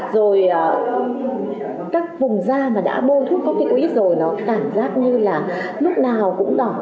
rồi các vùng da mà đã bôi thuốc coticoid rồi nó cảm giác như là lúc nào cũng đỏ